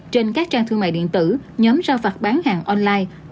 trên các trang thương mại điện tử nhóm giao phạt bán hàng online